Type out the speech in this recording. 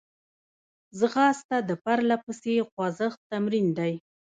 ځغاسته د پرلهپسې خوځښت تمرین دی